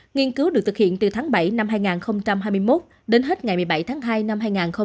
nghiên cứu được thực hiện từ tháng bảy năm hai nghìn hai mươi một đến hết ngày một mươi bảy tháng hai năm hai nghìn hai mươi